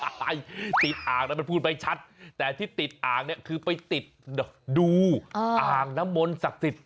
ติดอ่างนะมันพูดไม่ชัดแต่ที่ติดอ่างเนี่ยคือไปติดดูอ่างน้ำมนต์ศักดิ์สิทธิ